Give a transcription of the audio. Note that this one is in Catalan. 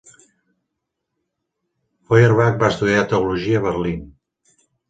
Feuerbach va estudiar teologia a Berlín.